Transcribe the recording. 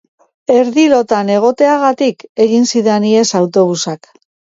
Erdi lotan egoteagatik egin zidan ihes autobusak.